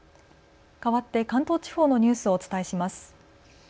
かわって関東地方のニュースをお伝えします。